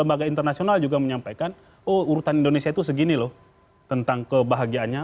lembaga internasional juga menyampaikan oh urutan indonesia itu segini loh tentang kebahagiaannya